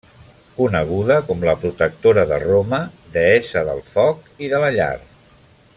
Coneguda com la protectora de Roma, deessa del Foc i de la Llar.